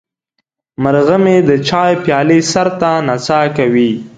مرغه مې د چای پیاله سر ته نڅا کوي.